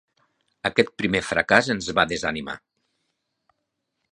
Aquest primer fracàs ens va desanimar.